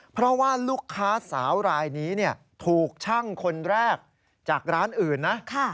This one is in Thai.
เพราะว่าลูกค้าสาวรายนี้ถูกช่างคนแรกจากร้านอื่นนะ